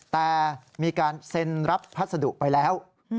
แต่มีการเซ็นรับพัสดุไปแล้ว